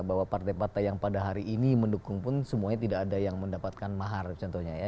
bahwa partai partai yang pada hari ini mendukung pun semuanya tidak ada yang mendapatkan mahar contohnya ya